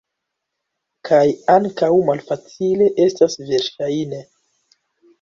Kaj ankaŭ malfacile estas, verŝajne.